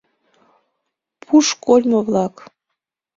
— Пушкольмо-влак!